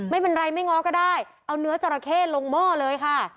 ไม่เป็นไรไม่ง้อก็ได้เอาเนื้อจราเข้ลงหม้อเลยค่ะ